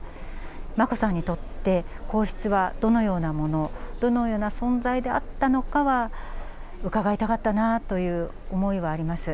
眞子さんにとって皇室はどのようなもの、どのような存在であったのかは伺いたかったなという思いはあります。